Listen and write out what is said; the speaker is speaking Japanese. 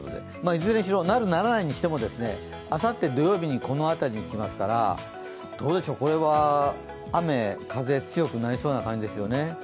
いずれにしろ、なる、ならないにしてもあさって土曜日にこの辺りに来ますから、雨、風、強くなりそうな感じですよね。